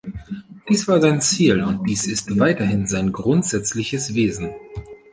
Dies war sein Ziel, und dies ist weiterhin sein grundsätzliches Wesen.